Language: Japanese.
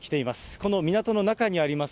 この港の中にあります